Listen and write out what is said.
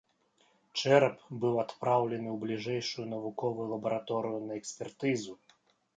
Чэрап быў адпраўлены ў бліжэйшую навуковую лабараторыю на экспертызу.